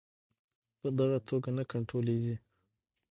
په دغه توګه نه کنټرولیږي.